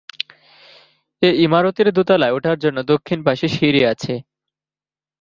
এ ইমারতের দোতালায় উঠার জন্য দক্ষিণ পাশে সিড়ি আছে।